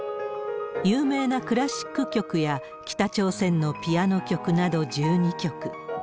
有名なクラシック曲や、北朝鮮のピアノ曲など１２曲。